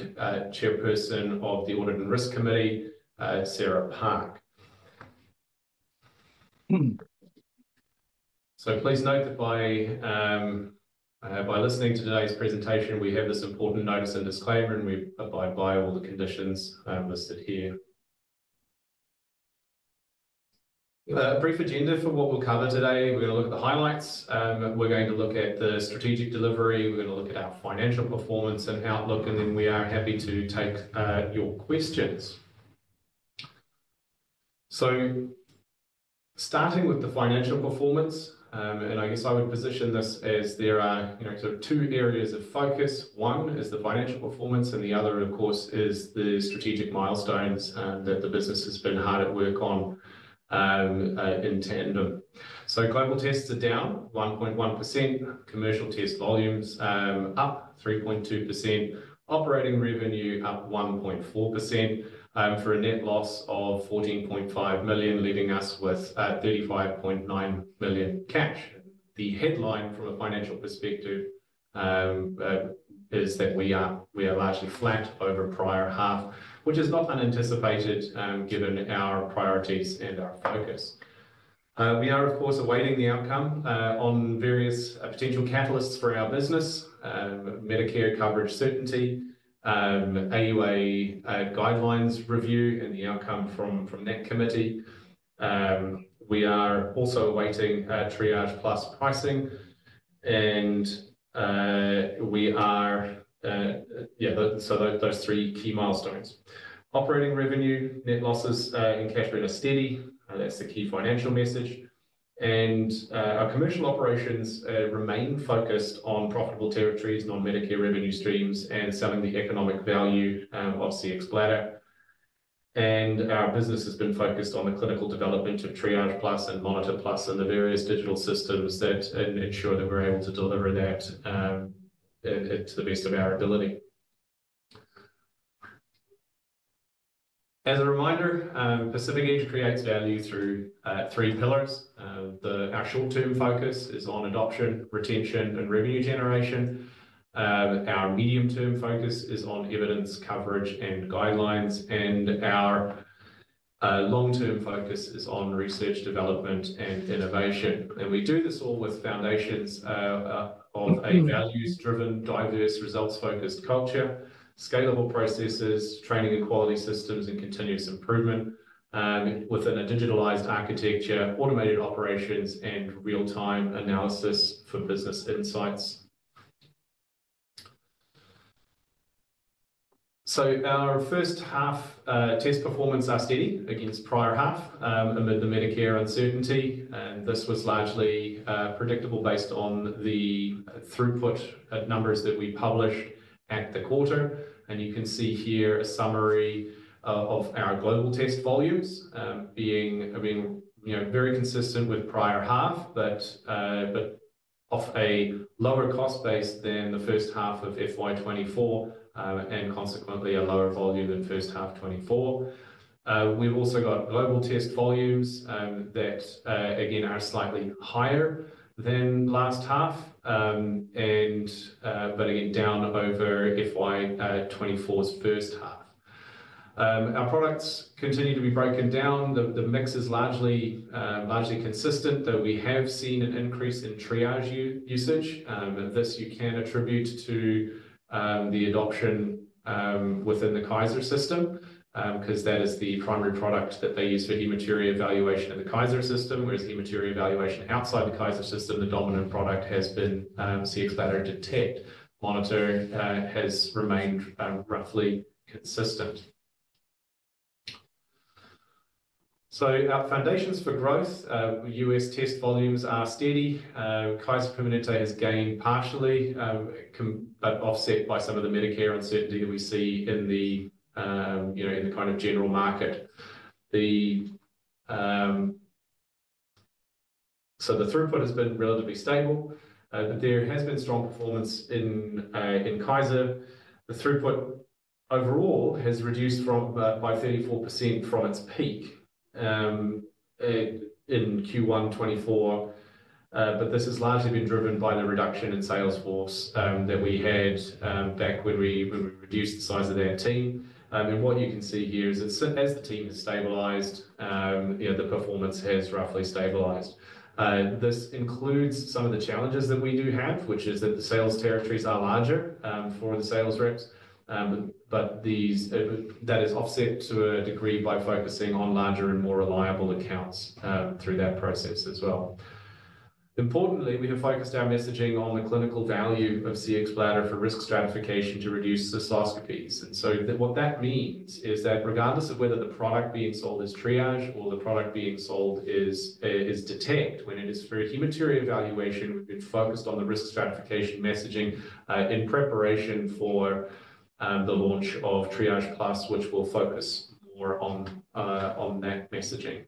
And Chairperson of the Audit and Risk Committee, Sarah Park. So please note that by listening to today's presentation, we have this important notice and disclaimer, and we abide by all the conditions listed here. A brief agenda for what we'll cover today. We're going to look at the highlights. We're going to look at the strategic delivery. We're going to look at our financial performance and outlook. And then we are happy to take your questions. So starting with the financial performance, and I guess I would position this as there are sort of two areas of focus. One is the financial performance, and the other, of course, is the strategic milestones that the business has been hard at work on in tandem. So global tests are down 1.1%, commercial test volumes up 3.2%, operating revenue up 1.4% for a net loss of 14.5 million, leaving us with 35.9 million cash. The headline from a financial perspective is that we are largely flat over a prior half, which is not unanticipated given our priorities and our focus. We are, of course, awaiting the outcome on various potential catalysts for our business: Medicare coverage certainty, AUA guidelines review, and the outcome from that committee. We are also awaiting Triage Plus pricing, and we are, so those three key milestones. Operating revenue, net losses in cash are steady. That's the key financial message. And our commercial operations remain focused on profitable territories, non-Medicare revenue streams, and selling the economic value of Cxbladder. Our business has been focused on the clinical development of Triage Plus and Monitor Plus and the various digital systems that ensure that we're able to deliver that to the best of our ability. As a reminder, Pacific Edge creates value through three pillars. Our short-term focus is on adoption, retention, and revenue generation. Our medium-term focus is on evidence, coverage, and guidelines. Our long-term focus is on research, development, and innovation. We do this all with foundations of a values-driven, diverse, results-focused culture, scalable processes, training and quality systems, and continuous improvement within a digitalized architecture, automated operations, and real-time analysis for business insights. Our first half test performance are steady against prior half amid the Medicare uncertainty. This was largely predictable based on the throughput numbers that we published at the quarter. You can see here a summary of our global test volumes being very consistent with prior half, but off a lower cost base than the first half of FY24 and consequently a lower volume than first half '24. We've also got global test volumes that, again, are slightly higher than last half, but again, down over FY24's first half. Our products continue to be broken down. The mix is largely consistent, though we have seen an increase in Triage usage. This you can attribute to the adoption within the Kaiser system because that is the primary product that they use for hematuria evaluation in the Kaiser system. Whereas hematuria evaluation outside the Kaiser system, the dominant product has been Cxbladder Detect, Monitor has remained roughly consistent. Our foundations for growth, US test volumes are steady. Kaiser Permanente has gained partially, but offset by some of the Medicare uncertainty that we see in the kind of general market, so the throughput has been relatively stable, but there has been strong performance in Kaiser. The throughput overall has reduced by 34% from its peak in Q1 2024, but this has largely been driven by the reduction in sales force that we had back when we reduced the size of that team, and what you can see here is that as the team has stabilized, the performance has roughly stabilized. This includes some of the challenges that we do have, which is that the sales territories are larger for the sales reps, but that is offset to a degree by focusing on larger and more reliable accounts through that process as well. Importantly, we have focused our messaging on the clinical value of Cxbladder for risk stratification to reduce cystoscopies. What that means is that regardless of whether the product being sold is Triage or the product being sold is Detect, when it is for hematuria evaluation, we have focused on the risk stratification messaging in preparation for the launch of Triage Plus, which will focus more on that messaging.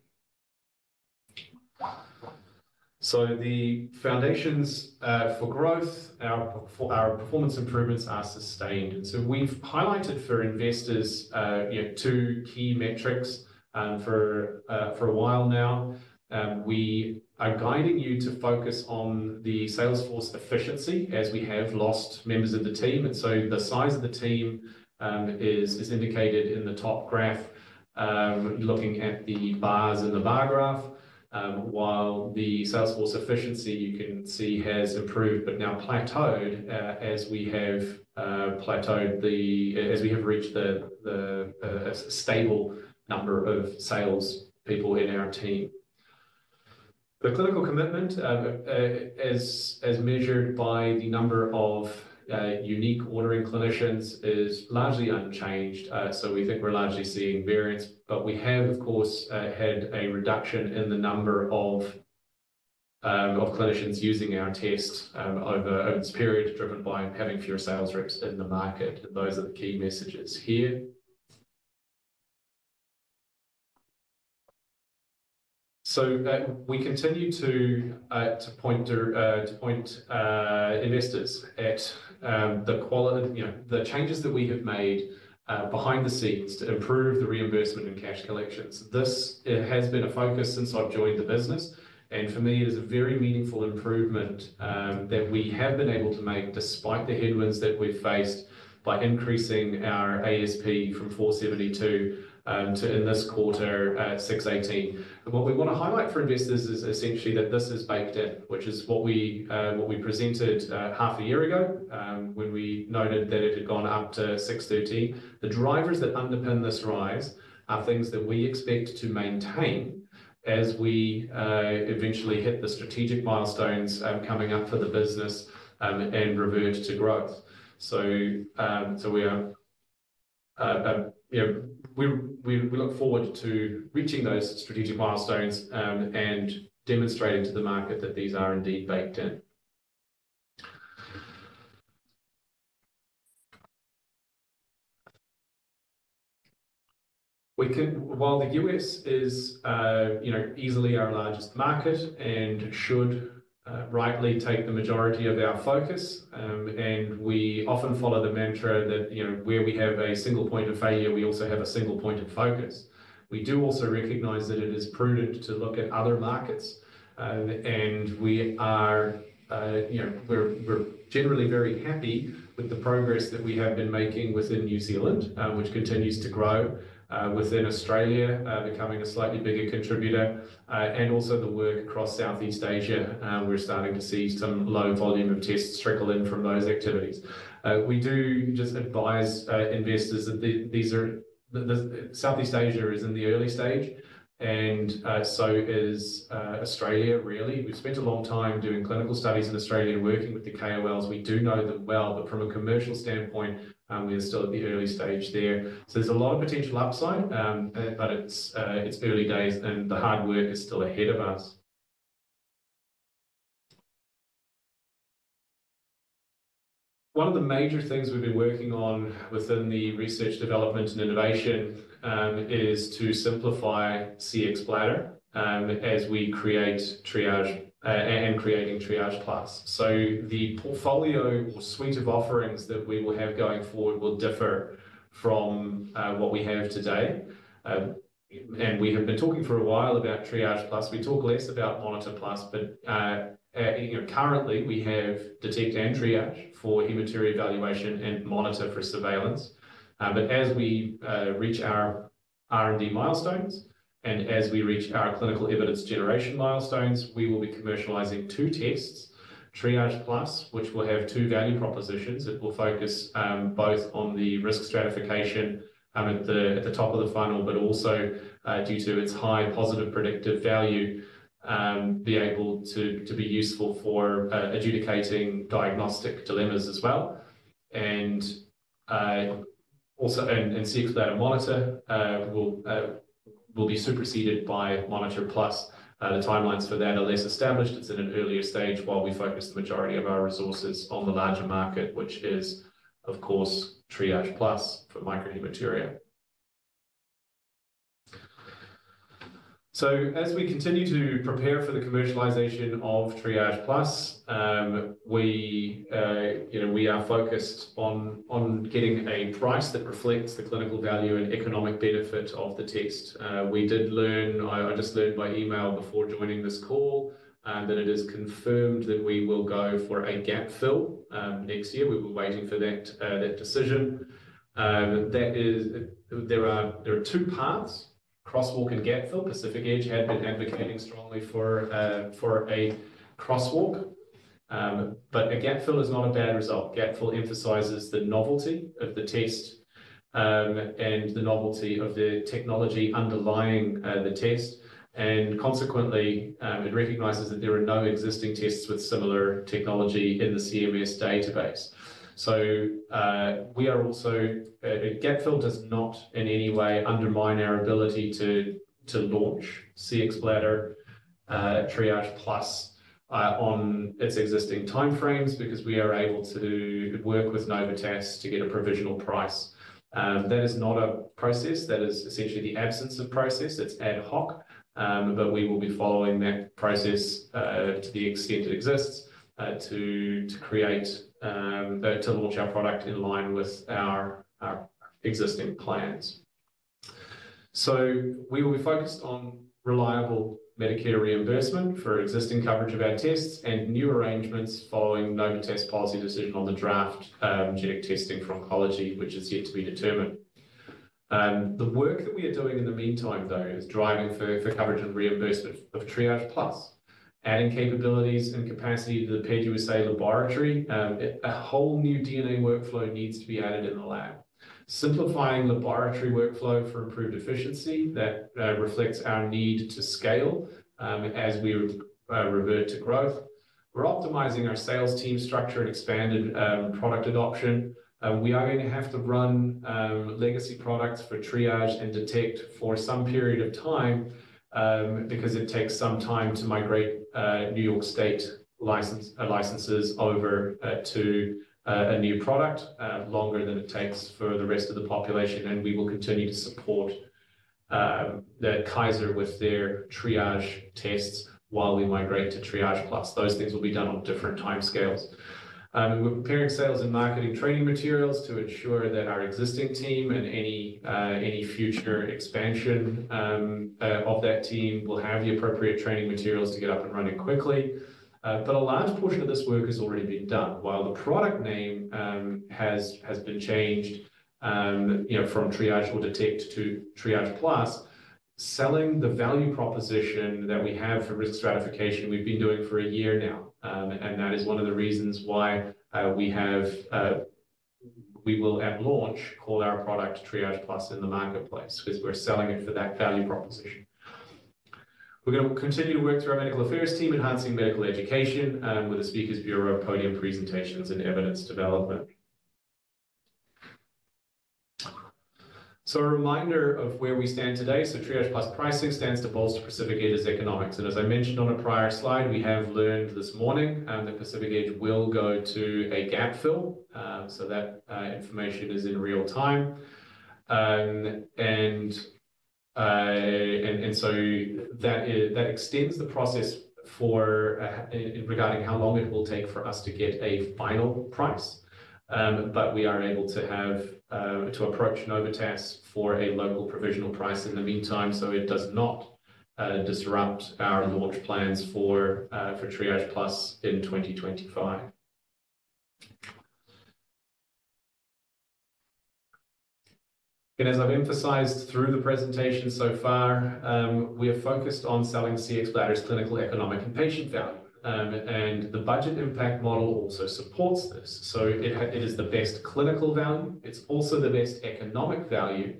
The foundations for growth, our performance improvements are sustained. We have highlighted for investors two key metrics for a while now. We are guiding you to focus on the sales force efficiency as we have lost members of the team. The size of the team is indicated in the top graph, looking at the bars in the bar graph, while the sales force efficiency you can see has improved, but now plateaued as we have reached the stable number of sales people in our team. The clinical commitment, as measured by the number of unique ordering clinicians, is largely unchanged. We think we're largely seeing variance, but we have, of course, had a reduction in the number of clinicians using our tests over this period, driven by having fewer sales reps in the market. Those are the key messages here. We continue to point investors at the changes that we have made behind the scenes to improve the reimbursement and cash collections. This has been a focus since I've joined the business. And for me, it is a very meaningful improvement that we have been able to make despite the headwinds that we've faced by increasing our ASP from $472 to, in this quarter, $618. And what we want to highlight for investors is essentially that this is baked in, which is what we presented half a year ago when we noted that it had gone up to $613. The drivers that underpin this rise are things that we expect to maintain as we eventually hit the strategic milestones coming up for the business and revert to growth. So we look forward to reaching those strategic milestones and demonstrating to the market that these are indeed baked in. While the US is easily our largest market and should rightly take the majority of our focus, and we often follow the mantra that where we have a single point of failure, we also have a single point of focus. We do also recognize that it is prudent to look at other markets, and we are generally very happy with the progress that we have been making within New Zealand, which continues to grow within Australia, becoming a slightly bigger contributor, and also the work across Southeast Asia, we're starting to see some low volume of tests trickle in from those activities. We do just advise investors that Southeast Asia is in the early stage, and so is Australia, really. We've spent a long time doing clinical studies in Australia, working with the KOLs. We do know them well, but from a commercial standpoint, we are still at the early stage there, so there's a lot of potential upside, but it's early days, and the hard work is still ahead of us. One of the major things we've been working on within the research, development, and innovation is to simplify Cxbladder as we create Triage and creating Triage Plus, so the portfolio or suite of offerings that we will have going forward will differ from what we have today, and we have been talking for a while about Triage Plus. We talk less about Monitor Plus, but currently we have Detect and Triage for hematuria evaluation and Monitor for surveillance, but as we reach our R&D milestones and as we reach our clinical evidence generation milestones, we will be commercializing two tests, Triage Plus, which will have two value propositions. It will focus both on the risk stratification at the top of the funnel, but also due to its high positive predictive value, be able to be useful for adjudicating diagnostic dilemmas as well. And Cxbladder Monitor will be superseded by Monitor Plus. The timelines for that are less established. It's in an earlier stage while we focus the majority of our resources on the larger market, which is, of course, Triage Plus for microhematuria. So as we continue to prepare for the commercialization of Triage Plus, we are focused on getting a price that reflects the clinical value and economic benefit of the test. We did learn, I just learned by email before joining this call, that it is confirmed that we will go for a gap-fill next year. We were waiting for that decision. There are two paths, crosswalk and gap-fill. Pacific Edge had been advocating strongly for a crosswalk, but a gap fill is not a bad result. Gap fill emphasizes the novelty of the test and the novelty of the technology underlying the test. Consequently, it recognizes that there are no existing tests with similar technology in the CMS database. So, while a gap fill does not in any way undermine our ability to launch Cxbladder Triage Plus on its existing timeframes because we are able to work with Novitas to get a provisional price. That is not a process. That is essentially the absence of process. It's ad hoc, but we will be following that process to the extent it exists to launch our product in line with our existing plans. We will be focused on reliable Medicare reimbursement for existing coverage of our tests and new arrangements following Novitas policy decision on the draft Genetic Testing for Oncology, which is yet to be determined. The work that we are doing in the meantime, though, is driving for coverage and reimbursement of Triage Plus, adding capabilities and capacity to the PED USA laboratory. A whole new DNA workflow needs to be added in the lab, simplifying laboratory workflow for improved efficiency that reflects our need to scale as we revert to growth. We're optimizing our sales team structure and expanded product adoption. We are going to have to run legacy products for Triage and Detect for some period of time because it takes some time to migrate New York State licenses over to a new product, longer than it takes for the rest of the population. We will continue to support the Kaiser with their Triage tests while we migrate to Triage Plus. Those things will be done on different timescales. We're preparing sales and marketing training materials to ensure that our existing team and any future expansion of that team will have the appropriate training materials to get up and running quickly. A large portion of this work has already been done. While the product name has been changed from Triage or Detect to Triage Plus, selling the value proposition that we have for risk stratification, we've been doing for a year now. That is one of the reasons why we will at launch call our product Triage Plus in the marketplace because we're selling it for that value proposition. We're going to continue to work through our medical affairs team, enhancing medical education with the Speakers Bureau podium presentations and evidence development. So a reminder of where we stand today. So Triage Plus pricing stands to bolster Pacific Edge's economics. And as I mentioned on a prior slide, we have learned this morning that Pacific Edge will go to a gap fill. So that information is in real time. And so that extends the process regarding how long it will take for us to get a final price. But we are able to approach Novitas for a local provisional price in the meantime, so it does not disrupt our launch plans for Triage Plus in 2025. And as I've emphasized through the presentation so far, we are focused on selling Cxbladder's clinical, economic, and patient value. And the budget impact model also supports this. It is the best clinical value. It's also the best economic value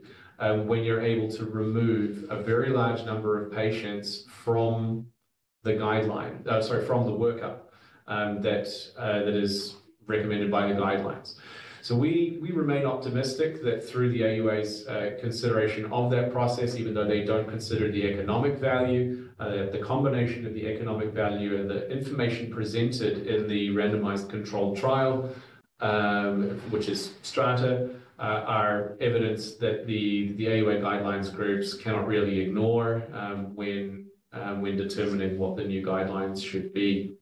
when you're able to remove a very large number of patients from the guideline, sorry, from the workup that is recommended by the guidelines. We remain optimistic that through the AUA's consideration of that process, even though they don't consider the economic value, the combination of the economic value and the information presented in the randomized controlled trial, which is STRATA, are evidence that the AUA guidelines groups cannot really ignore when determining what the new guidelines should be.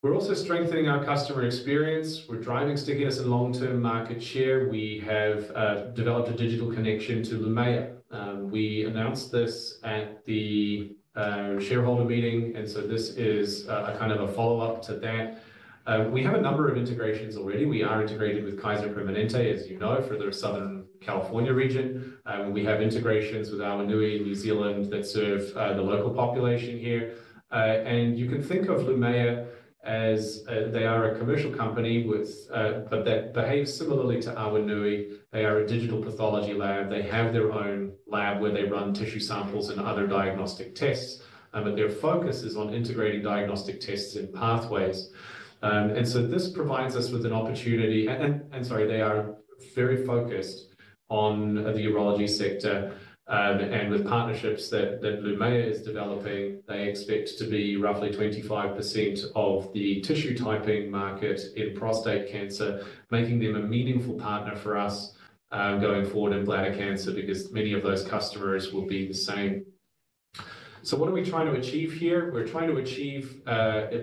We're also strengthening our customer experience. We're driving stickiness and long-term market share. We have developed a digital connection to Lumea. We announced this at the shareholder meeting. And so this is a kind of a follow-up to that. We have a number of integrations already. We are integrated with Kaiser Permanente, as you know, for the Southern California region. We have integrations with Awanui, New Zealand, that serve the local population here, and you can think of Lumea as they are a commercial company, but that behaves similarly to Awanui. They are a digital pathology lab. They have their own lab where they run tissue samples and other diagnostic tests, but their focus is on integrating diagnostic tests and pathways, and so this provides us with an opportunity, and sorry, they are very focused on the urology sector, and with partnerships that Lumea is developing, they expect to be roughly 25% of the tissue typing market in prostate cancer, making them a meaningful partner for us going forward in bladder cancer because many of those customers will be the same, so what are we trying to achieve here? We're trying to achieve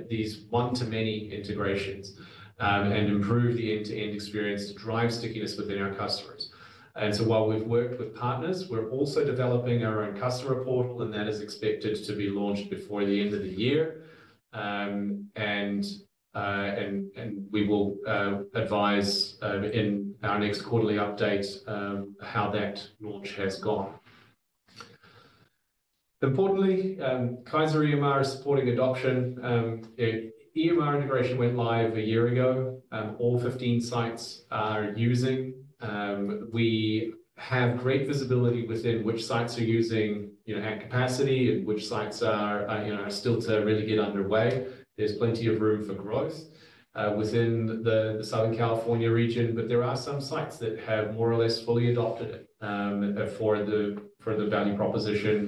these one-to-many integrations and improve the end-to-end experience to drive stickiness within our customers. And so while we've worked with partners, we're also developing our own customer portal, and that is expected to be launched before the end of the year. And we will advise in our next quarterly update how that launch has gone. Importantly, Kaiser EMR is supporting adoption. EMR integration went live a year ago. All 15 sites are using. We have great visibility within which sites are using at capacity and which sites are still to really get underway. There's plenty of room for growth within the Southern California region, but there are some sites that have more or less fully adopted it for the value proposition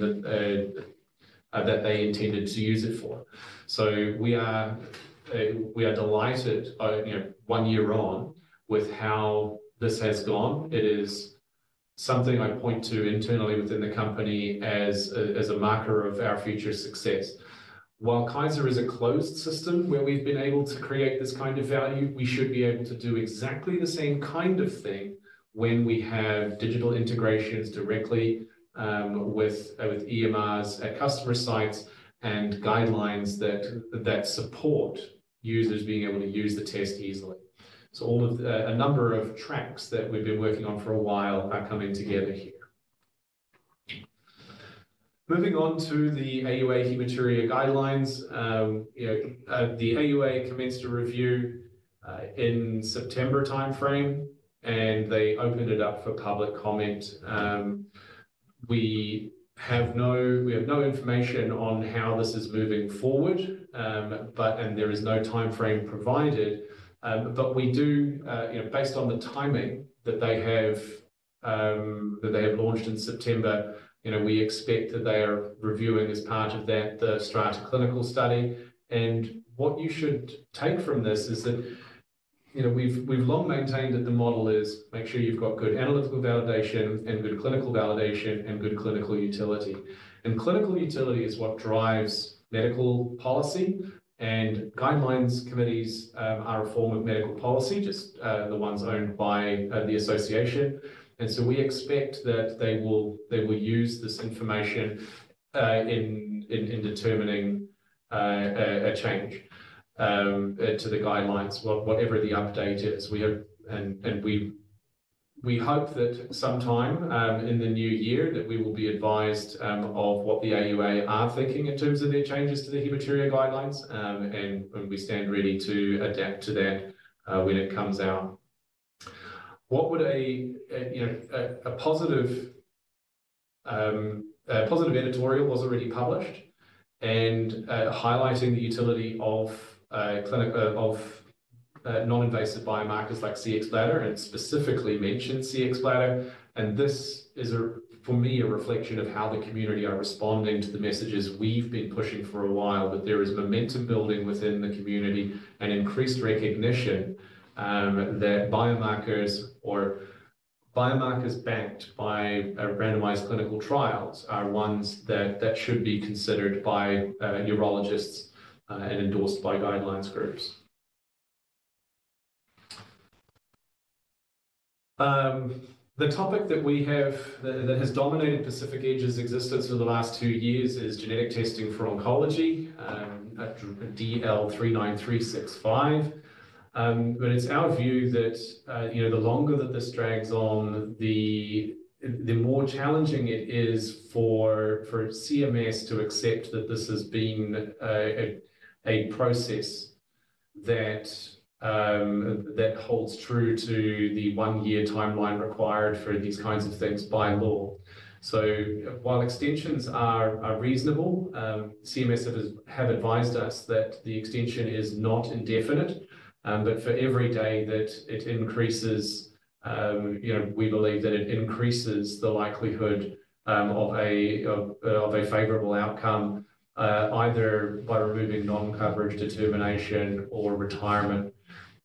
that they intended to use it for. So we are delighted one year on with how this has gone. It is something I point to internally within the company as a marker of our future success. While Kaiser is a closed system where we've been able to create this kind of value, we should be able to do exactly the same kind of thing when we have digital integrations directly with EMRs at customer sites and guidelines that support users being able to use the test easily. So a number of tracks that we've been working on for a while are coming together here. Moving on to the AUA hematuria guidelines. The AUA commenced to review in September timeframe, and they opened it up for public comment. We have no information on how this is moving forward, and there is no timeframe provided. But we do, based on the timing that they have launched in September, we expect that they are reviewing as part of that the STRATA study. And what you should take from this is that we've long maintained that the model is make sure you've got good analytical validation and good clinical validation and good clinical utility. And clinical utility is what drives medical policy. And guidelines committees are a form of medical policy, just the ones owned by the association. And so we expect that they will use this information in determining a change to the guidelines, whatever the update is. And we hope that sometime in the new year that we will be advised of what the AUA are thinking in terms of their changes to the hematuria guidelines. And we stand ready to adapt to that when it comes out. A positive editorial was already published and highlighting the utility of non-invasive biomarkers like Cxbladder and specifically mentioned Cxbladder. And this is, for me, a reflection of how the community are responding to the messages we've been pushing for a while, that there is momentum building within the community and increased recognition that biomarkers or biomarkers backed by randomized clinical trials are ones that should be considered by urologists and endorsed by guidelines groups. The topic that has dominated Pacific Edge's existence for the last two years is genetic testing for oncology, DL39365, but it's our view that the longer that this drags on, the more challenging it is for CMS to accept that this has been a process that holds true to the one-year timeline required for these kinds of things by law. While extensions are reasonable, CMS have advised us that the extension is not indefinite. For every day that it increases, we believe that it increases the likelihood of a favorable outcome, either by removing non-coverage determination or retirement.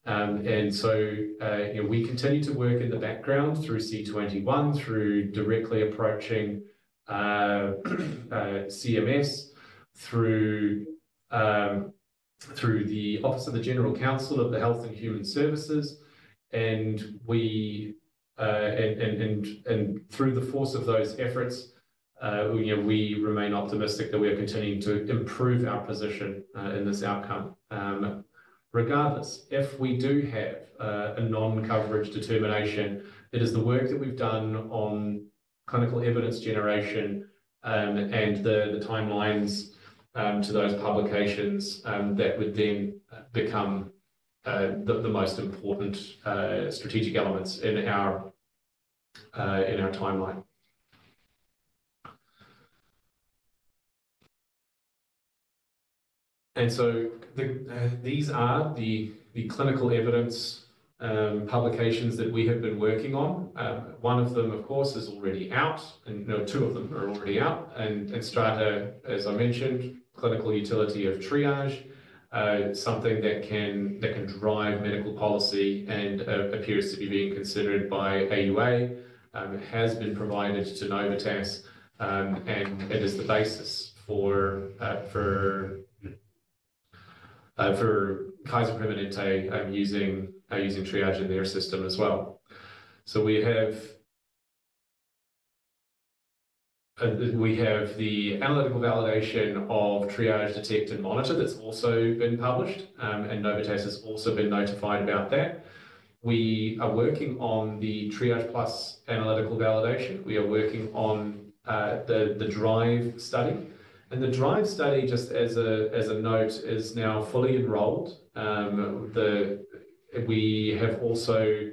We continue to work in the background through C21, through directly approaching CMS, through the Office of the General Counsel of the Department of Health and Human Services. Through the force of those efforts, we remain optimistic that we are continuing to improve our position in this outcome. Regardless, if we do have a non-coverage determination, it is the work that we've done on clinical evidence generation and the timelines to those publications that would then become the most important strategic elements in our timeline. These are the clinical evidence publications that we have been working on. One of them, of course, is already out. Two of them are already out, and STRATA, as I mentioned, clinical utility of Triage, something that can drive medical policy and appears to be being considered by AUA, has been provided to Novitas, and it is the basis for Kaiser Permanente using Triage in their system as well, so we have the analytical validation of Triage Detect and Monitor that's also been published, and Novitas has also been notified about that. We are working on the Triage Plus analytical validation. We are working on the DRIVE study, and the DRIVE study, just as a note, is now fully enrolled. We have also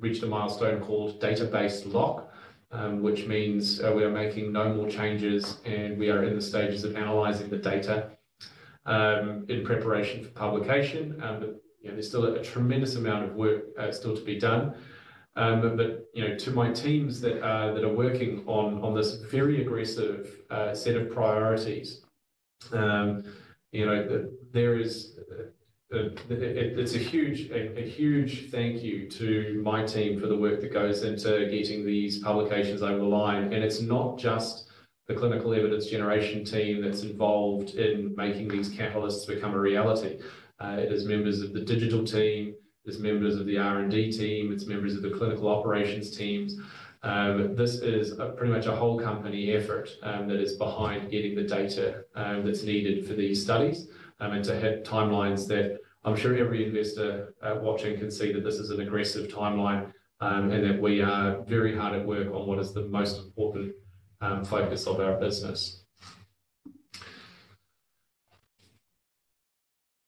reached a milestone called Database Lock, which means we are making no more changes, and we are in the stages of analyzing the data in preparation for publication, but there's still a tremendous amount of work still to be done. But to my teams that are working on this very aggressive set of priorities, it's a huge thank you to my team for the work that goes into getting these publications over the line. And it's not just the clinical evidence generation team that's involved in making these catalysts become a reality. It is members of the digital team. It's members of the R&D team. It's members of the clinical operations teams. This is pretty much a whole company effort that is behind getting the data that's needed for these studies and to hit timelines that I'm sure every investors watching can see that this is an aggressive timeline and that we are very hard at work on what is the most important focus of our business.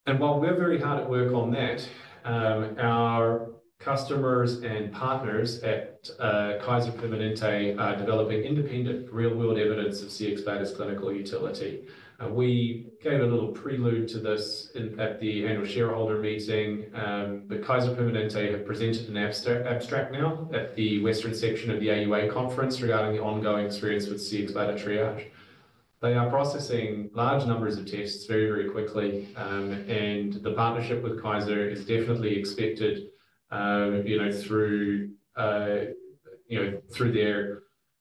And while we're very hard at work on that, our customers and partners at Kaiser Permanente are developing independent real-world evidence of Cxbladder's clinical utility. We gave a little prelude to this at the annual shareholder meeting. But Kaiser Permanente have presented an abstract now at the Western Section of the AUA conference regarding the ongoing experience with Cxbladder Triage. They are processing large numbers of tests very, very quickly. And the partnership with Kaiser is definitely expected through their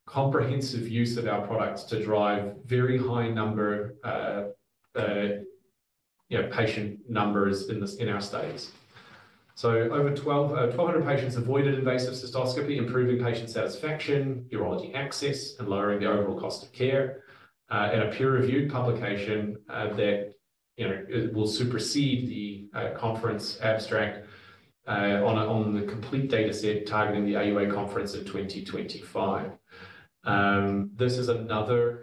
comprehensive use of our products to drive very high number of patient numbers in our studies. So over 1,200 patients avoided invasive cystoscopy, improving patient satisfaction, urology access, and lowering the overall cost of care. And a peer-reviewed publication that will supersede the conference abstract on the complete dataset targeting the AUA conference in 2025. This is another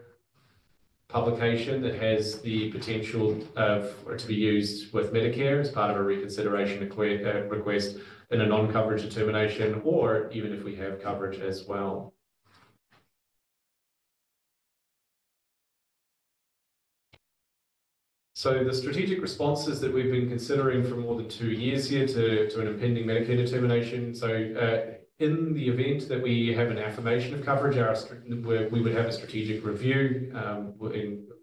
publication that has the potential to be used with Medicare as part of a reconsideration request in a non-coverage determination or even if we have coverage as well. So the strategic responses that we've been considering for more than two years here to an impending Medicare determination. So in the event that we have an affirmation of coverage, we would have a strategic review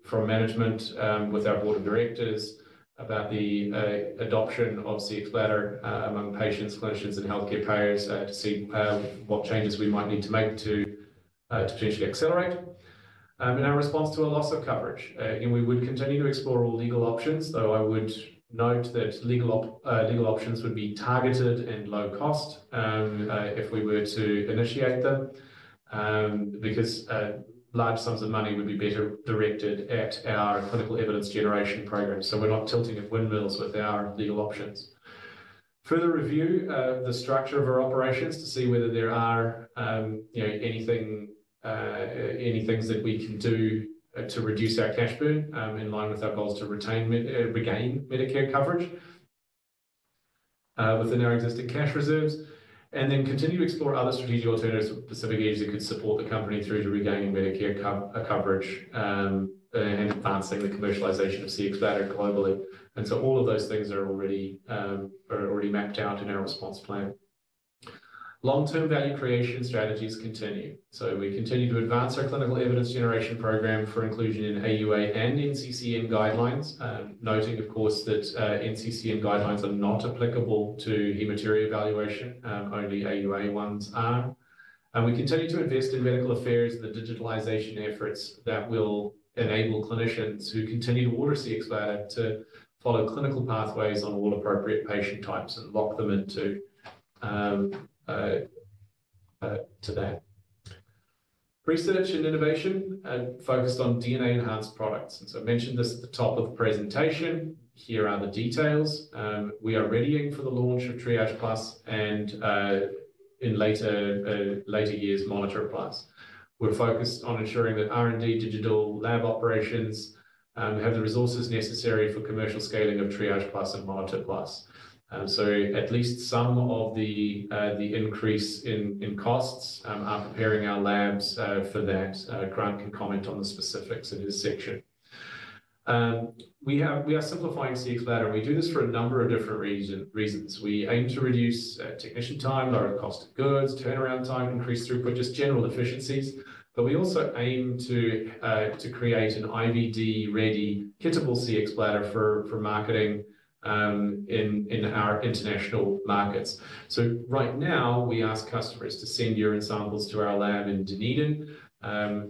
from management with our board of directors about the adoption of Cxbladder among patients, clinicians, and healthcare payers to see what changes we might need to make to potentially accelerate. In our response to a loss of coverage, we would continue to explore all legal options, though I would note that legal options would be targeted and low-cost if we were to initiate them because large sums of money would be better directed at our clinical evidence generation program. We're not tilting at windmills with our legal options. Further review of the structure of our operations to see whether there are any things that we can do to reduce our cash burn in line with our goals to regain Medicare coverage within our existing cash reserves. Then continue to explore other strategic alternatives for Pacific Edge that could support the company through to regaining Medicare coverage and advancing the commercialization of Cxbladder globally. All of those things are already mapped out in our response plan. Long-term value creation strategies continue. We continue to advance our clinical evidence generation program for inclusion in AUA and NCCN guidelines, noting, of course, that NCCN guidelines are not applicable to hematuria evaluation. Only AUA ones are. We continue to invest in medical affairs and the digitalization efforts that will enable clinicians who continue to order Cxbladder to follow clinical pathways on all appropriate patient types and lock them into that. Research and innovation focused on DNA-enhanced products. I mentioned this at the top of the presentation. Here are the details. We are readying for the launch of Triage Plus and in later years, Monitor Plus. We're focused on ensuring that R&D digital lab operations have the resources necessary for commercial scaling of Triage Plus and Monitor Plus. At least some of the increase in costs are preparing our labs for that. Grant can comment on the specifics in his section. We are simplifying Cxbladder, and we do this for a number of different reasons. We aim to reduce technician time, lower cost of goods, turnaround time, increase throughput, just general efficiencies. But we also aim to create an IVD-ready kittable Cxbladder for marketing in our international markets. So right now, we ask customers to send urine samples to our lab in Dunedin.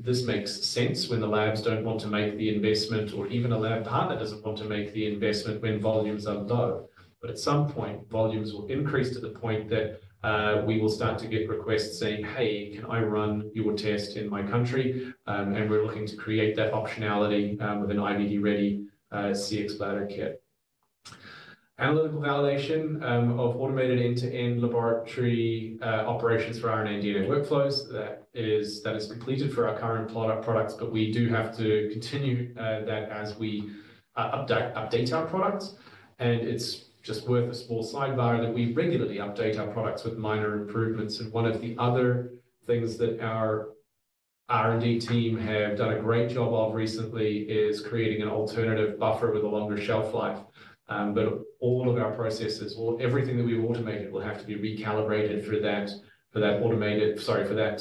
This makes sense when the labs don't want to make the investment or even a lab partner doesn't want to make the investment when volumes are low. But at some point, volumes will increase to the point that we will start to get requests saying, "Hey, can I run your test in my country?" And we're looking to create that optionality with an IVD-ready Cxbladder kit. Analytical validation of automated end-to-end laboratory operations for RNA DNA workflows. That is completed for our current products, but we do have to continue that as we update our products. It's just worth a small sidebar that we regularly update our products with minor improvements. One of the other things that our R&D team have done a great job of recently is creating an alternative buffer with a longer shelf life. All of our processes, everything that we've automated, will have to be recalibrated for that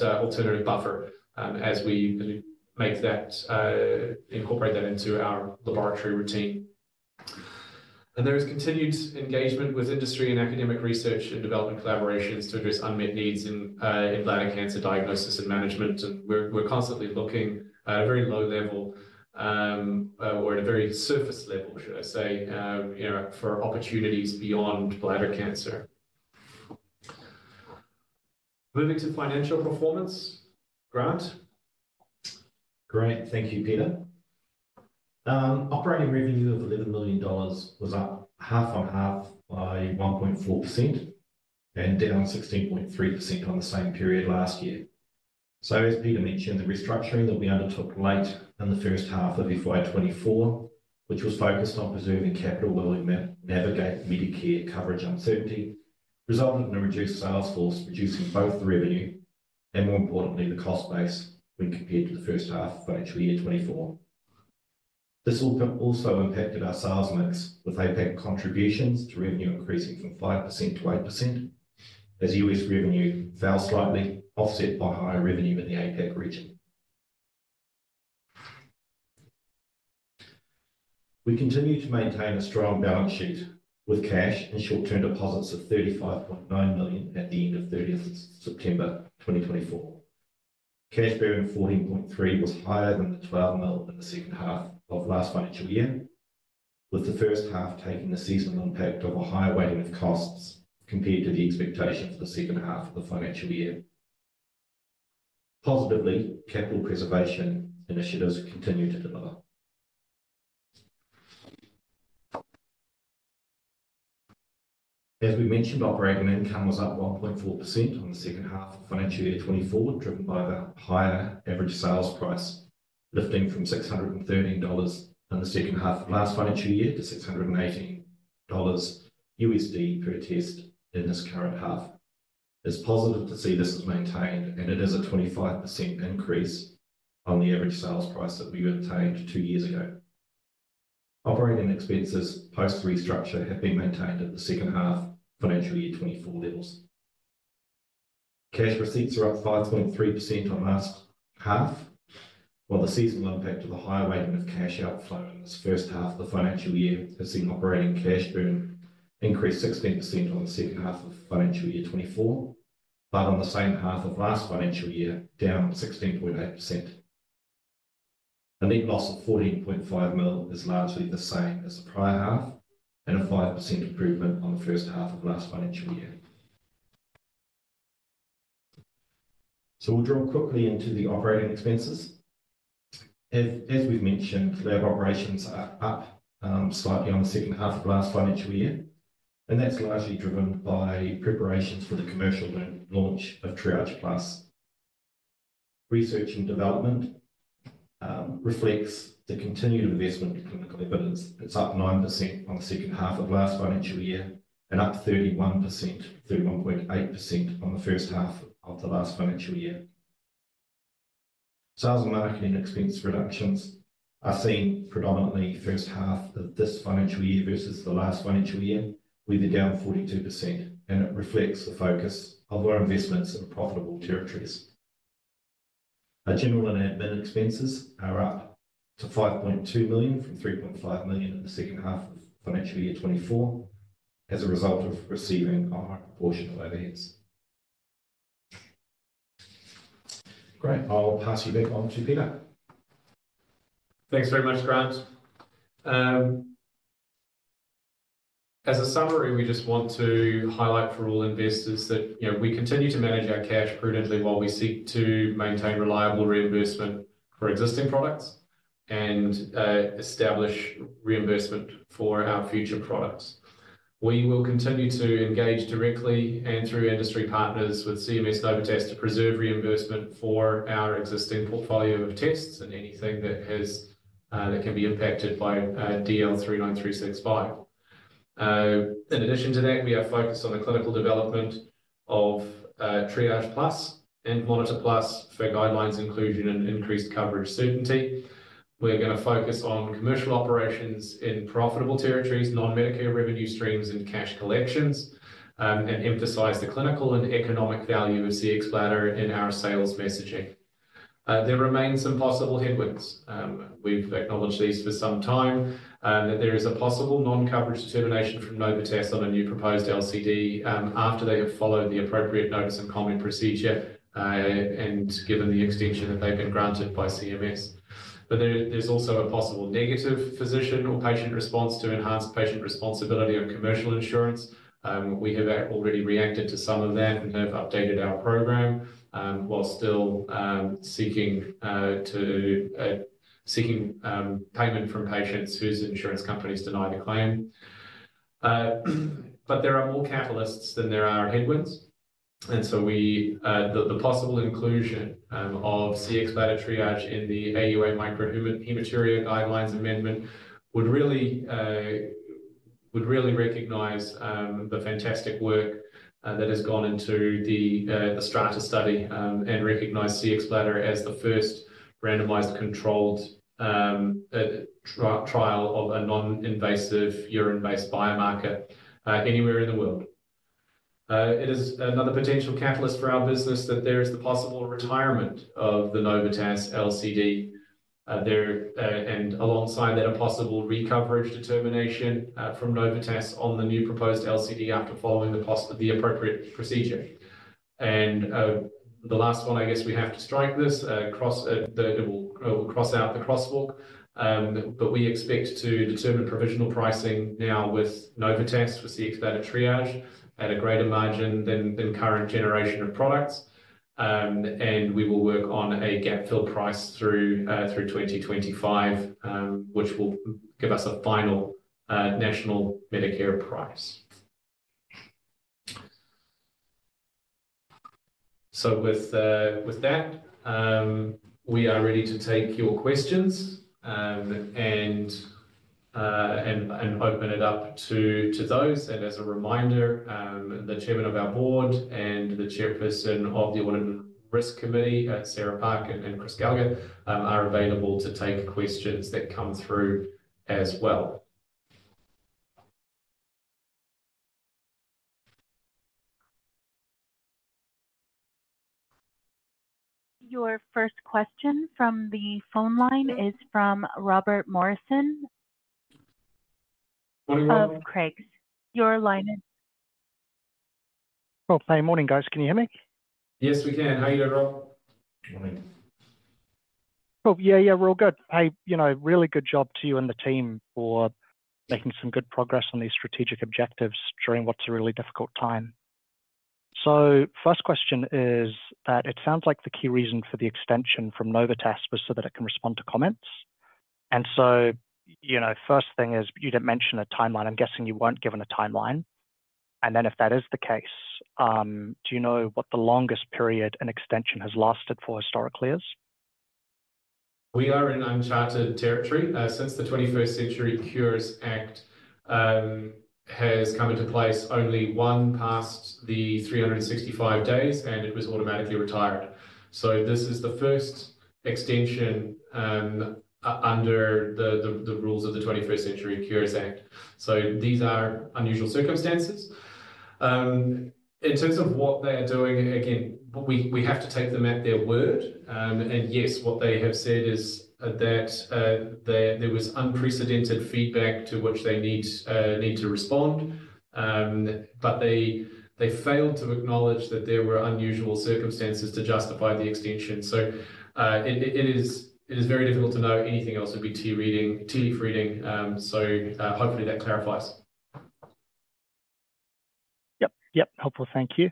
alternative buffer as we incorporate that into our laboratory routine. There is continued engagement with industry and academic research and development collaborations to address unmet needs in bladder cancer diagnosis and management. We're constantly looking at a very low level or at a very surface level, should I say, for opportunities beyond bladder cancer. Moving to financial performance, Grant. Great. Thank you, Peter. Operating revenue of $11 million was up half on half by 1.4% and down 16.3% on the same period last year. As Peter mentioned, the restructuring that we undertook late in the first half of FY24, which was focused on preserving capital while we navigate Medicare coverage uncertainty, resulted in a reduced sales force, reducing both the revenue and, more importantly, the cost base when compared to the first half of financial year 24. This also impacted our sales mix with APAC contributions to revenue increasing from 5%-8% as US revenue fell slightly, offset by higher revenue in the APAC region. We continue to maintain a strong balance sheet with cash and short-term deposits of $35.9 million at the end of 30 September 2024. Cash burn 14.3 was higher than the $12 million in the second half of last financial year, with the first half taking the seasonal impact of a higher weighting of costs compared to the expectations of the second half of the financial year. Positively, capital preservation initiatives continue to deliver. As we mentioned, operating income was up 1.4% on the second half of financial year 2024, driven by the higher average sales price, lifting from $613 in the second half of last financial year to $618 per test in this current half. It's positive to see this is maintained, and it is a 25% increase on the average sales price that we obtained two years ago. Operating expenses post-restructure have been maintained at the second half financial year 2024 levels. Cash receipts are up 5.3% on last half, while the seasonal impact of the higher weighting of cash outflow in this first half of the financial year has seen operating cash burn increase 16% on the second half of financial year 2024, but on the same half of last financial year, down 16.8%. A net loss of 14.5 million is largely the same as the prior half and a 5% improvement on the first half of last financial year. So we'll drill quickly into the operating expenses. As we've mentioned, lab operations are up slightly on the second half of last financial year, and that's largely driven by preparations for the commercial launch of Triage Plus. Research and development reflects the continued investment in clinical evidence. It's up 9% on the second half of last financial year and up 31.8% on the first half of the last financial year. Sales and marketing expense reductions are seen predominantly first half of this financial year versus the last financial year, with a down 42%, and it reflects the focus of our investments in profitable territories. Our general and admin expenses are up to 5.2 million from 3.5 million in the second half of financial year 2024 as a result of receiving our uncertain. Great. I'll pass you back on to Peter. Thanks very much, Grant. As a summary, we just want to highlight for all investors that we continue to manage our cash prudently while we seek to maintain reliable reimbursement for existing products and establish reimbursement for our future products. We will continue to engage directly and through industry partners with CMS Novitas to preserve reimbursement for our existing portfolio of tests and anything that can be impacted by DL39365. In addition to that, we have focused on the clinical development of Triage Plus and Monitor Plus for guidelines inclusion and increased coverage certainty. We're going to focus on commercial operations in profitable territories, non-Medicare revenue streams, and cash collections, and emphasize the clinical and economic value of Cxbladder in our sales messaging. There remain some possible headwinds. We've acknowledged these for some time, that there is a possible non-coverage determination from Novitas on a new proposed LCD after they have followed the appropriate notice and comment procedure and given the extension that they've been granted by CMS. But there's also a possible negative physician or patient response to enhanced patient responsibility on commercial insurance. We have already reacted to some of that and have updated our program while still seeking payment from patients whose insurance companies deny the claim. But there are more catalysts than there are headwinds. The possible inclusion of Cxbladder Triage in the AUA microhematuria guidelines amendment would really recognize the fantastic work that has gone into the STRATA study and recognize Cxbladder as the first randomized controlled trial of a non-invasive urine-based biomarker anywhere in the world. It is another potential catalyst for our business that there is the possible retirement of the Novitas LCD, and alongside that, a possible re-coverage determination from Novitas on the new proposed LCD after following the appropriate procedure. The last one, I guess we have to strike this. It will cross out the crosswalk, but we expect to determine provisional pricing now with Novitas for Cxbladder Triage at a greater margin than current generation of products. We will work on a gap-fill price through 2025, which will give us a final national Medicare price. So with that, we are ready to take your questions and open it up to those. And as a reminder, the Chairman of our Board and the Chairperson of the Audit and Risk Committee, Sarah Park, and Chris Gallaher, are available to take questions that come through as well. Your first question from the phone line is from Robert Morrison of Craigs. Your line is. Rob, hey, morning, guys. Can you hear me? Yes, we can. How are you doing, Rob? Morning. Oh, yeah, yeah, we're all good. Hey, really good job to you and the team for making some good progress on these strategic objectives during what's a really difficult time. So first question is that it sounds like the key reason for the extension from Novitas was so that it can respond to comments. And so first thing is you didn't mention a timeline. I'm guessing you weren't given a timeline. And then, if that is the case, do you know what the longest period an extension has lasted for historically is? We are in uncharted territory. Since the 21st Century Cures Act has come into place, only one passed the 365 days, and it was automatically retired. So this is the first extension under the rules of the 21st Century Cures Act. So these are unusual circumstances. In terms of what they are doing, again, we have to take them at their word. And yes, what they have said is that there was unprecedented feedback to which they need to respond, but they failed to acknowledge that there were unusual circumstances to justify the extension. So it is very difficult to know; anything else would be tea-leaf reading. So hopefully that clarifies. Yep, yep. Helpful. Thank you.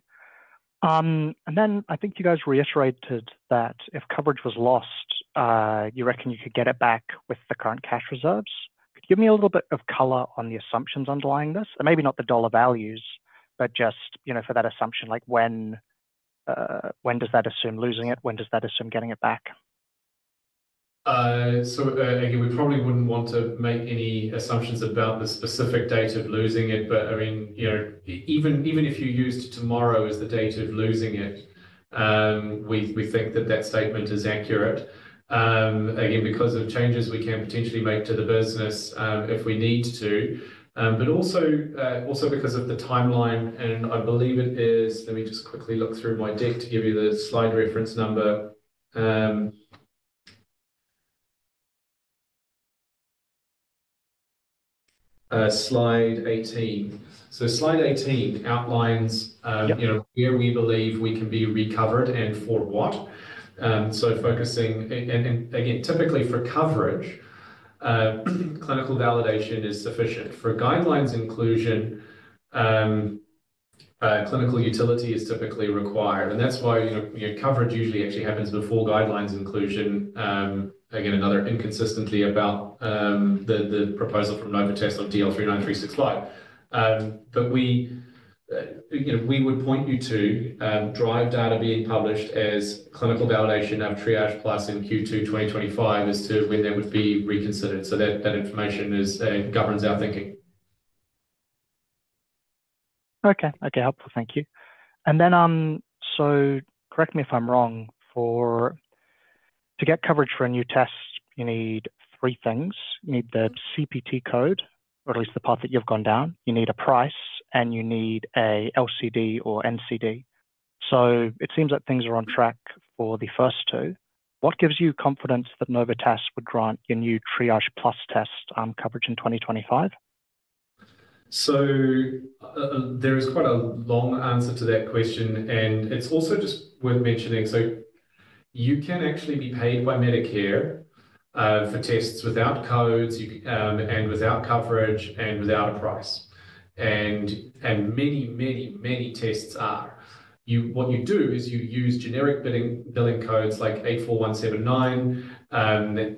I think you guys reiterated that if coverage was lost, you reckon you could get it back with the current cash reserves. Could you give me a little bit of color on the assumptions underlying this? And maybe not the dollar values, but just for that assumption, when does that assume losing it? When does that assume getting it back? We probably wouldn't want to make any assumptions about the specific date of losing it. But I mean, even if you used tomorrow as the date of losing it, we think that that statement is accurate. Again, because of changes we can potentially make to the business if we need to, but also because of the timeline. I believe it is. Let me just quickly look through my deck to give you the slide reference number, slide 18. Slide 18 outlines where we believe we can be recovered and for what. Focusing, and again, typically for coverage, clinical validation is sufficient. For guidelines inclusion, clinical utility is typically required. That's why coverage usually actually happens before guidelines inclusion. Again, another inconsistency about the proposal from Novitas on DL39365. But we would point you to drive data being published as clinical validation of Triage Plus in Q2 2025 as to when they would be reconsidered. That information governs our thinking. Okay, okay. Helpful. Thank you. Then so correct me if I'm wrong. To get coverage for a new test, you need three things. You need the CPT code, or at least the path that you've gone down. You need a price, and you need an LCD or NCD. It seems that things are on track for the first two. What gives you confidence that Novitas would grant your new Triage Plus test coverage in 2025? There is quite a long answer to that question, and it's also just worth mentioning. You can actually be paid by Medicare for tests without codes and without coverage and without a price. And many, many, many tests are. What you do is you use generic billing codes like 84179, and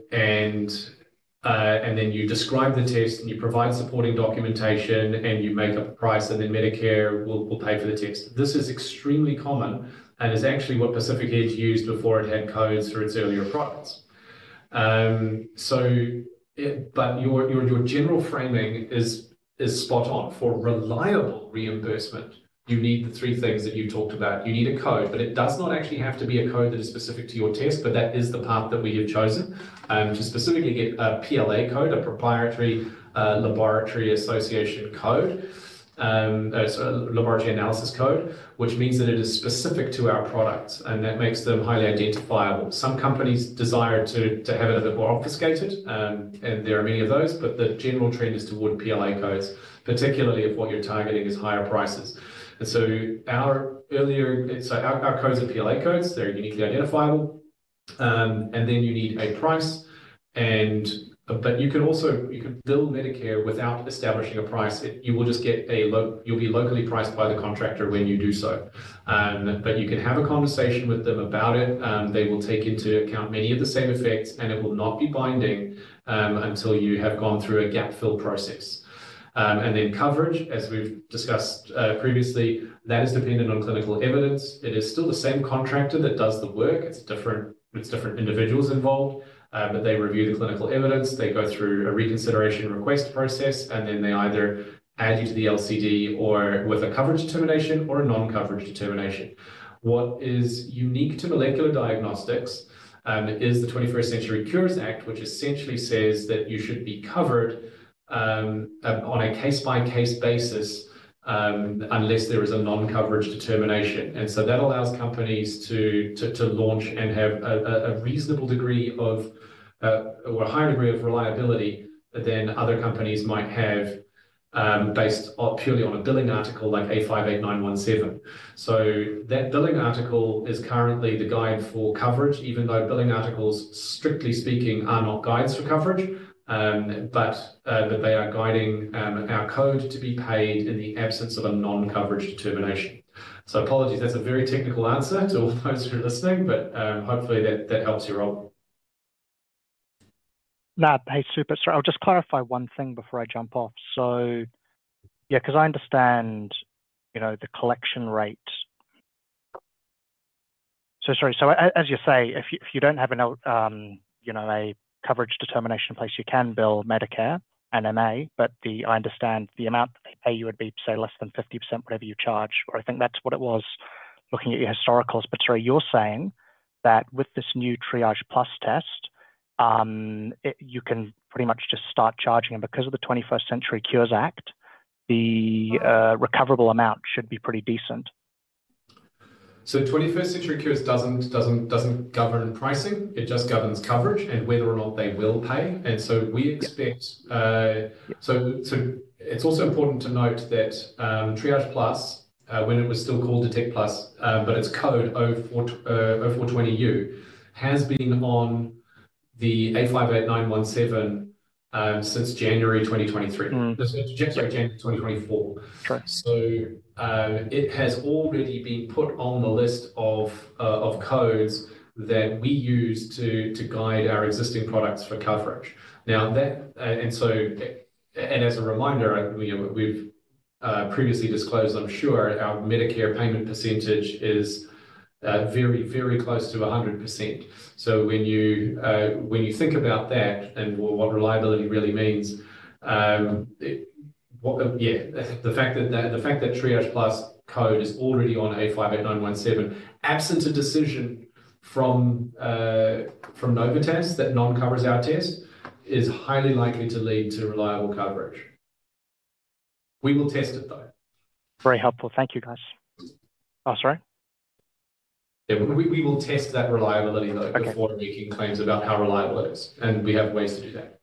then you describe the test, and you provide supporting documentation, and you make up a price, and then Medicare will pay for the test. This is extremely common and is actually what Pacific Edge used before it had codes for its earlier products. Your general framing is spot on. For reliable reimbursement, you need the three things that you talked about. You need a code, but it does not actually have to be a code that is specific to your test, but that is the path that we have chosen to specifically get a PLA code, a proprietary laboratory analyses code, a laboratory analyses code, which means that it is specific to our products, and that makes them highly identifiable. Some companies desire to have it a bit more obfuscated, and there are many of those, but the general trend is toward PLA codes, particularly if what you are targeting is higher prices, so our codes are PLA codes. They are uniquely identifiable. Then you need a price. But you can also bill Medicare without establishing a price. You will just get a lowball. You will be locally priced by the contractor when you do so. But you can have a conversation with them about it. They will take into account many of the same effects, and it will not be binding until you have gone through a gap-fill process. And then coverage, as we've discussed previously, that is dependent on clinical evidence. It is still the same contractor that does the work. It's different individuals involved, but they review the clinical evidence. They go through a reconsideration request process, and then they either add you to the LCD with a coverage determination or a non-coverage determination. What is unique to molecular diagnostics is the 21st Century Cures Act, which essentially says that you should be covered on a case-by-case basis unless there is a non-coverage determination. And so that allows companies to launch and have a reasonable degree of or a higher degree of reliability than other companies might have based purely on a billing article like A58917. So that billing article is currently the guide for coverage, even though billing articles, strictly speaking, are not guides for coverage, but they are guiding our code to be paid in the absence of a non-coverage determination. So apologies. That's a very technical answer to all those who are listening, but hopefully that helps you, Rob. No, hey, super. Sorry. I'll just clarify one thing before I jump off. So yeah, because I understand the collection rate. So sorry. So as you say, if you don't have a coverage determination in place, you can bill Medicare and MA, but I understand the amount that they pay you would be, say, less than 50%, whatever you charge. Or I think that's what it was looking at your historicals. But sorry, you're saying that with this new Triage Plus test, you can pretty much just start charging. And because of the 21st Century Cures Act, the recoverable amount should be pretty decent. So 21st Century Cures doesn't govern pricing. It just governs coverage and whether or not they will pay. And so we expect, so it's also important to note that Triage Plus, when it was still called Detect Plus, but its code 0420U, has been on the A58917 since January 2023. So it's January 2024. So it has already been put on the list of codes that we use to guide our existing products for coverage. And as a reminder, we've previously disclosed, I'm sure, our Medicare payment percentage is very, very close to 100%. So when you think about that and what reliability really means, yeah, the fact that Triage Plus code is already on A58917, absent a decision from Novitas that non-covers our test, is highly likely to lead to reliable coverage. We will test it, though. Very helpful. Thank you, guys. Oh, sorry? Yeah. We will test that reliability, though, before making claims about how reliable it is. And we have ways to do that.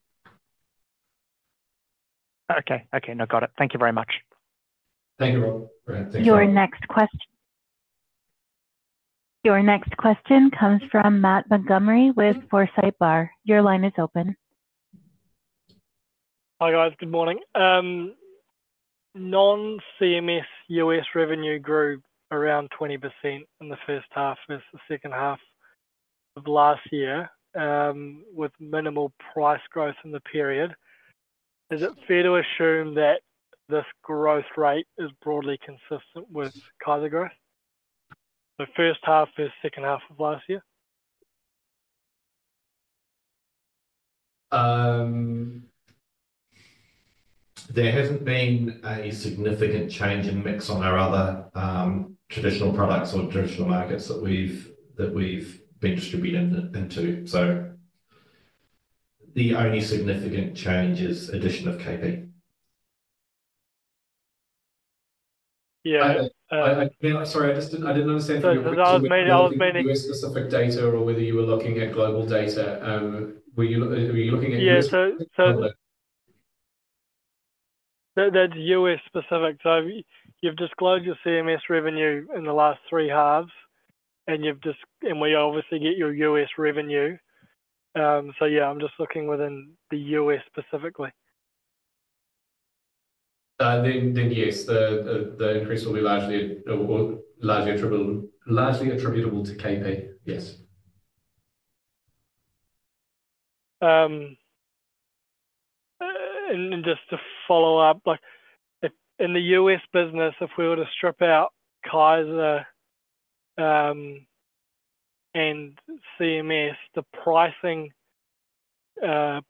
Okay, okay. No, got it. Thank you very much. Thank you, Rob. Thank you. Your next question comes from Matt Montgomerie with Forsyth Barr. Your line is open. Hi, guys. Good morning. Non-CMS US revenue grew around 20% in the first half versus the second half of last year with minimal price growth in the period. Is it fair to assume that this growth rate is broadly consistent with Kaiser growth? The first half versus the second half of last year? There hasn't been a significant change in mix on our other traditional products or traditional markets that we've been distributed into. So the only significant change is addition of KP. Yeah. Sorry, I didn't understand. I was meaning whether it's U.S.-specific data or whether you were looking at global data. Were you looking at U.S. global data? Yeah. So that's U.S.-specific. So you've disclosed your CMS revenue in the last three halves, and we obviously get your U.S. revenue. So yeah, I'm just looking within the U.S. specifically. Then yes, the increase will be largely attributable to KP, yes. And just to follow up, in the U.S. business, if we were to strip out Kaiser and CMS, the pricing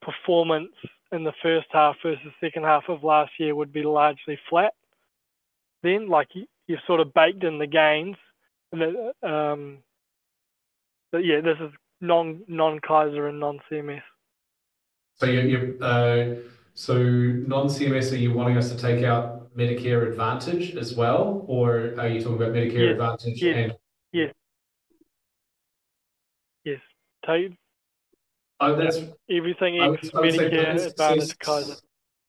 performance in the first half versus the second half of last year would be largely flat. Then you've sort of baked in the gains. But yeah, this is non-Kaiser and non-CMS. So non-CMS, are you wanting us to take out Medicare Advantage as well, or are you talking about Medicare Advantage and? Yes. Yes. Yes. Tell you. Everything is Medicare Advantage Kaiser.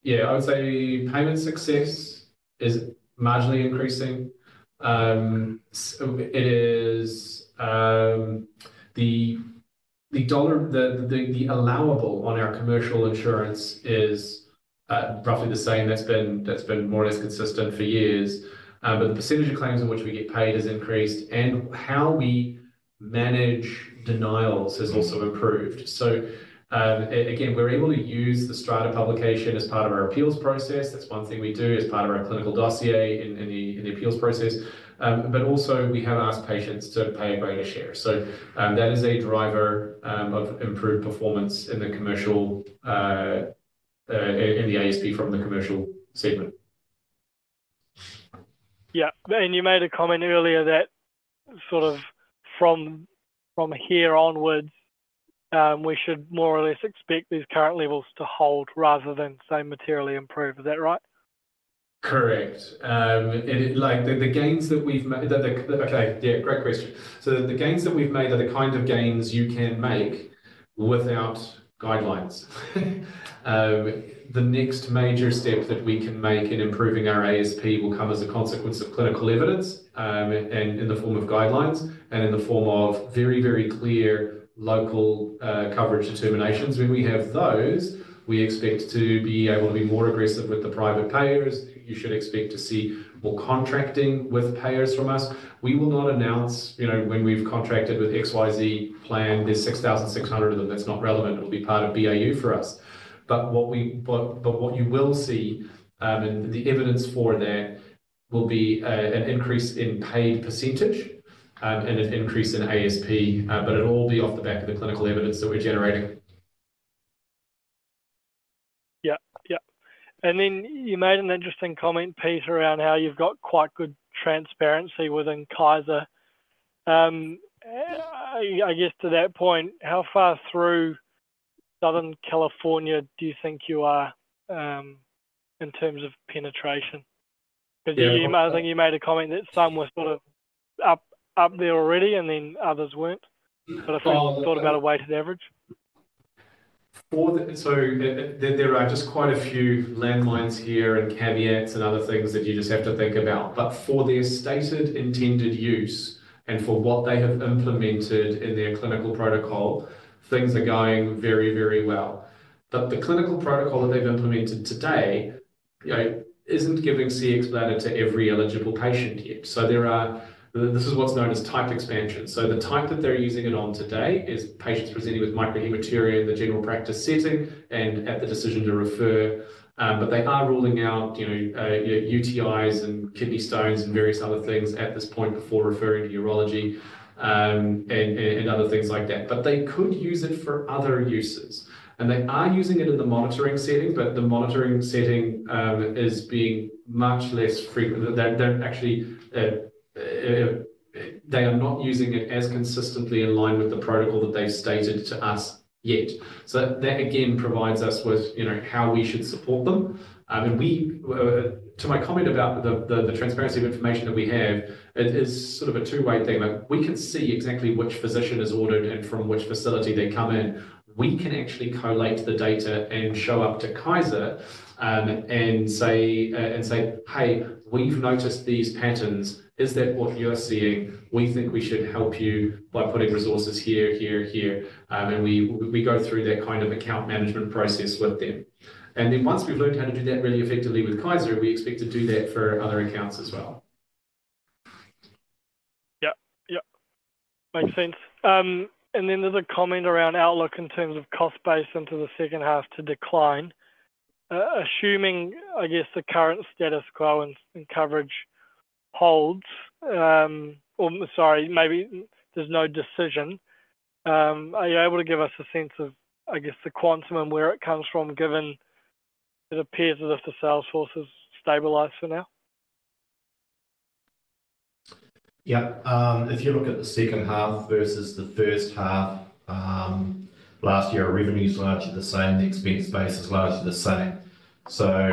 Yeah. I would say payment success is marginally increasing. The allowable on our commercial insurance is roughly the same. That's been more or less consistent for years. But the percentage of claims in which we get paid has increased, and how we manage denials has also improved. So again, we're able to use the STRATA publication as part of our appeals process. That's one thing we do as part of our clinical dossier in the appeals process. But also, we have asked patients to pay a greater share. So that is a driver of improved performance in the ASP from the commercial segment. Yeah. And you made a comment earlier that sort of from here onwards, we should more or less expect these current levels to hold rather than, say, materially improve. Is that right? Correct. The gains that we've, okay, yeah, great question. So the gains that we've made are the kind of gains you can make without guidelines. The next major step that we can make in improving our ASP will come as a consequence of clinical evidence in the form of guidelines and in the form of very, very clear local coverage determinations. When we have those, we expect to be able to be more aggressive with the private payers. You should expect to see more contracting with payers from us. We will not announce, "When we've contracted with XYZ plan, there's 6,600 of them. That's not relevant. It'll be part of BAU for us." But what you will see and the evidence for that will be an increase in paid percentage and an increase in ASP, but it'll all be off the back of the clinical evidence that we're generating. Yep, yep. And then you made an interesting comment, Peter, around how you've got quite good transparency within Kaiser. I guess to that point, how far through Southern California do you think you are in terms of penetration? Because I think you made a comment that some were sort of up there already, and then others weren't. But I think you thought about a weighted average. So there are just quite a few landmines here and caveats and other things that you just have to think about. But for their stated intended use and for what they have implemented in their clinical protocol, things are going very, very well. But the clinical protocol that they've implemented today isn't giving Cxbladder to every eligible patient yet. So this is what's known as type expansion. So the type that they're using it on today is patients presenting with microhematuria in the general practice setting and at the decision to refer. But they are ruling out UTIs and kidney stones and various other things at this point before referring to urology and other things like that. But they could use it for other uses. And they are using it in the monitoring setting, but the monitoring setting is being much less frequent. Actually, they are not using it as consistently in line with the protocol that they've stated to us yet. So that, again, provides us with how we should support them. And to my comment about the transparency of information that we have, it is sort of a two-way thing. We can see exactly which physician ordered and from which facility they come in. We can actually collate the data and show up to Kaiser and say, "Hey, we've noticed these patterns. Is that what you're seeing? We think we should help you by putting resources here, here, here." And we go through that kind of account management process with them. And then once we've learned how to do that really effectively with Kaiser, we expect to do that for other accounts as well. Yep, yep. Makes sense. And then there's a comment around outlook in terms of cost base into the second half to decline. Assuming, I guess, the current status quo and coverage holds. Sorry, maybe there's no decision. Are you able to give us a sense of, I guess, the quantum and where it comes from, given it appears as if the sales force has stabilised for now? Yep.If you look at the second half versus the first half, last year, revenue is largely the same. The expense base is largely the same. So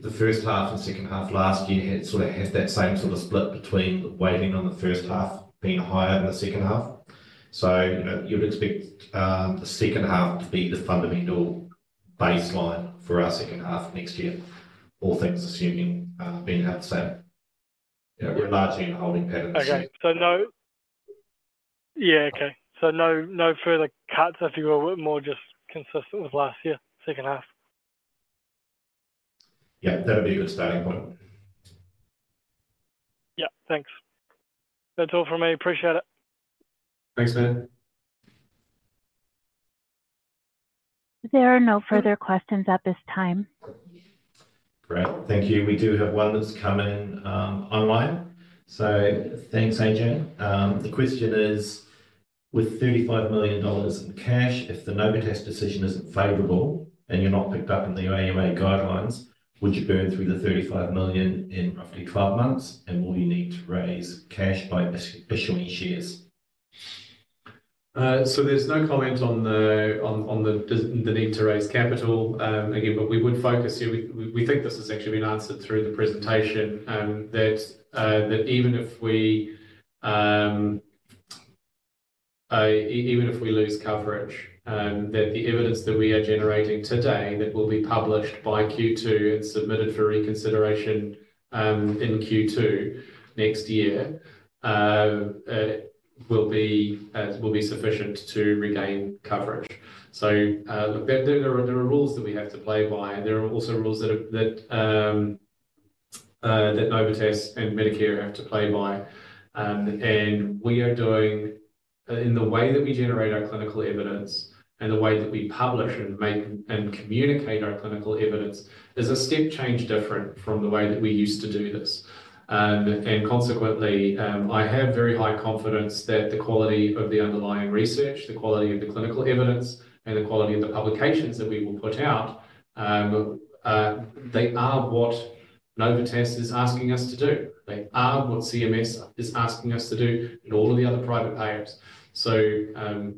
the first half and second half last year sort of have that same sort of split between the weighting on the first half being higher than the second half. So you would expect the second half to be the fundamental baseline for our second half next year, all things assuming being held the same. We're largely in a holding pattern. Okay. So no, yeah, okay. So no further cuts, if you will, but more just consistent with last year, second half. Yep. That would be a good starting point. Yep. Thanks. That's all from me. Appreciate it. Thanks, Matt. There are no further questions at this time. Great. Thank you. We do have one that's come in online. So thanks, Adrian. The question is, with $35 million in cash, if the Novitas decision isn't favorable and you're not picked up in the AUA guidelines, would you burn through the $35 million in roughly 12 months, and will you need to raise cash by issuing shares? So there's no comment on the need to raise capital. Again, but we would focus here. We think this has actually been answered through the presentation, that even if we lose coverage, that the evidence that we are generating today that will be published by Q2 and submitted for reconsideration in Q2 next year will be sufficient to regain coverage. So there are rules that we have to play by, and there are also rules that Novitas and Medicare have to play by. We are doing, in the way that we generate our clinical evidence and the way that we publish and communicate our clinical evidence, is a step change different from the way that we used to do this. Consequently, I have very high confidence that the quality of the underlying research, the quality of the clinical evidence, and the quality of the publications that we will put out, they are what Novitas is asking us to do. They are what CMS is asking us to do and all of the other private payers.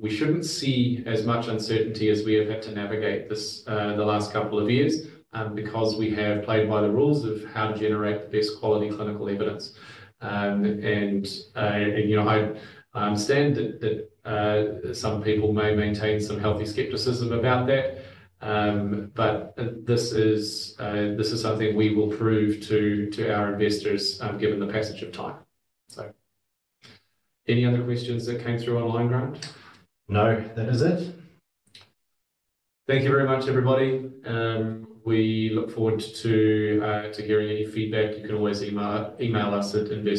We shouldn't see as much uncertainty as we have had to navigate the last couple of years because we have played by the rules of how to generate the best quality clinical evidence. I understand that some people may maintain some healthy skepticism about that, but this is something we will prove to our investors given the passage of time. Any other questions that came through online, Grant? No. That is it. Thank you very much, everybody. We look forward to hearing any feedback. You can always email us at investor.